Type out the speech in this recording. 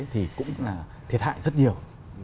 thì cũng là thiệt hại rất nhiều